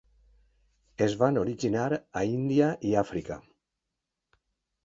Es van originar a Índia i Àfrica.